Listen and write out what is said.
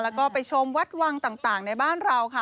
แล้วก็ไปชมวัดวังต่างในบ้านเราค่ะ